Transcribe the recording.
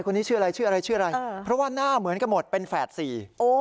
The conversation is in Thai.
เพราะว่าหน้าเหมือนกันหมดเป็นแฝดสี่